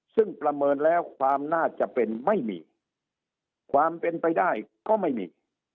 ซึ่งประเมินแล้วความน่าจะเป็นไม่มีความเป็นไปได้ก็ไม่มี